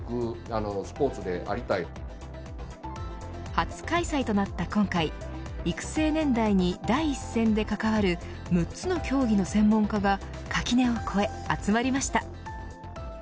初開催となった今回育成年代に第一線で関わる６つの競技の専門家が垣根を越え、集まりました。